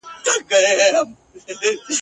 سل دي ومره خو د سلو سر دي مه مره !.